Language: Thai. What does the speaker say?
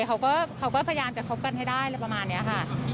เขาก็พยายามจะคบกันให้ได้อะไรประมาณนี้ค่ะ